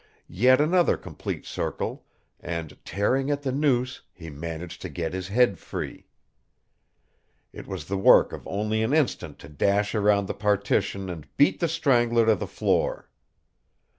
Yet another complete circle, and, tearing at the noose, he managed to get his head free. It was the work of only an instant to dash around the partition and beat the Strangler to the floor.